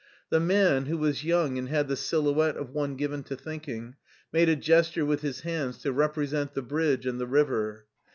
The man, who was yomig and had the silhouette of one given to thinking, made a gesture with his hands to represent the bridge and the river.